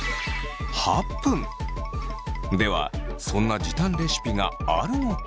ではそんな時短レシピがあるのか？